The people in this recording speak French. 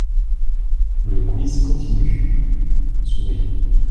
Le quiz continue (Sourires).